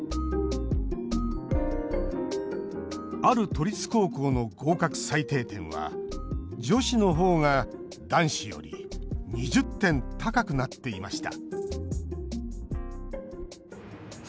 ある都立高校の合格最低点は女子のほうが男子より２０点高くなっていました